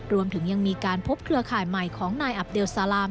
รวมถึงยังมีการพบเครือข่ายใหม่ของนายอับเลซาลาม